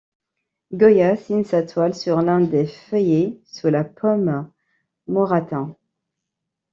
Goya signe sa toile sur l'un des feuillets sous la paume Moratin.